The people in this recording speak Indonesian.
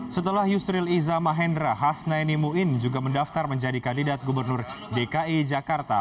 setelah yusril iza mahendra hasnaini muin juga mendaftar menjadi kandidat gubernur dki jakarta